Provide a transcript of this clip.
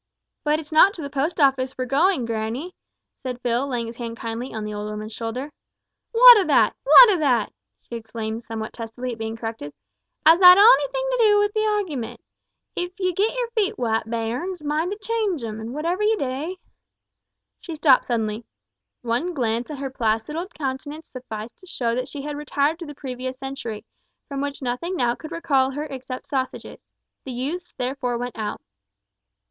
"But it's not to the Post Office we're goin', grannie," said Phil, laying his hand kindly on the old woman's shoulder. "What o' that? what o' that?" she exclaimed somewhat testily at being corrected, "has that onything to dae wi' the argiment? If ye git yer feet wat, bairns, mind to chynge them an' whatever ye dae " She stopped suddenly. One glance at her placid old countenance sufficed to show that she had retired to the previous century, from which nothing now could recall her except sausages. The youths therefore went out.